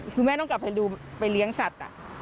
คือแม่ต้องกลับไปดูไปเลี้ยงสัตว์